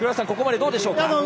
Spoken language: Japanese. ここまでどうでしょうか？